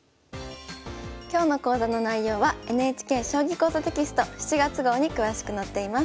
今日の講座の内容はＮＨＫ「将棋講座」テキスト７月号に詳しく載っています。